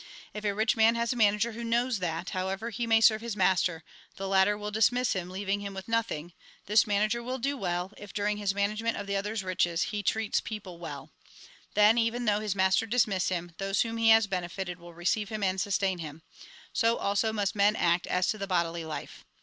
If a rich man has a manager who knows that, however he may serve his master, the latter will dismiss him, leaving him with nothing, this manager l88 THE GOSPEL IN BRIEF will do well if, during his management of the other's riches, he treats people well. Then, even though his master dismiss him, those whom he has bene fited will receive hiui and sustain him. So also must men act as to the bodily life.